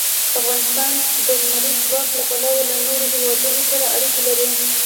افغانستان د لمریز ځواک له پلوه له نورو هېوادونو سره اړیکې لري.